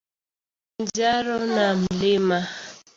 Kilimanjaro na Mt.